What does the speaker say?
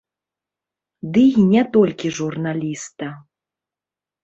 Дый не толькі журналіста.